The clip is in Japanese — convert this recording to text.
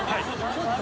ちょっとね。